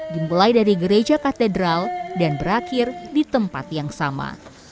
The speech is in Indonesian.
dimulai dari gereja katedral dan berakhir di tempat yang sama